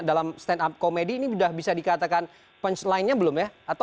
dalam stand up komedi ini sudah bisa dikatakan punchline nya belum ya